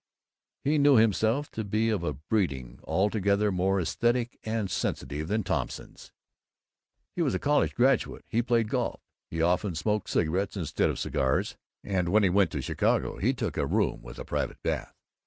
He knew himself to be of a breeding altogether more esthetic and sensitive than Thompson's. He was a college graduate, he played golf, he often smoked cigarettes instead of cigars, and when he went to Chicago he took a room with a private bath.